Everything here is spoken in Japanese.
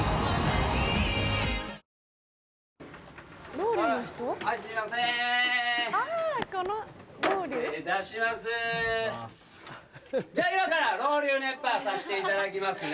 ロウリュ？じゃ今からロウリュ熱波させていただきますね。